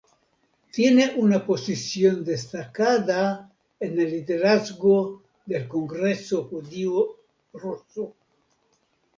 Tiene una posición destacada en el liderazgo del Congreso judío ruso.